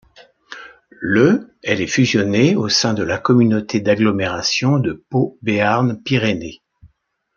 Le elle est fusionnée au sein de la communauté d'agglomération de Pau Béarn Pyrénées.